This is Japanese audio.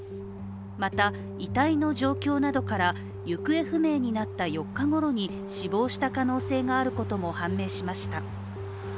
また、遺体の状況などから行方不明になった４日ごろに死亡した可能性があることも判明しました。